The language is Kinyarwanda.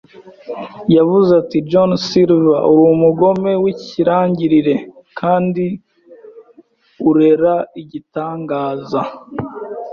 Yavuze ati: “John Silver, uri umugome w'ikirangirire kandi urera - igitangaza